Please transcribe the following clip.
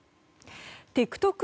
ＴｉｋＴｏｋ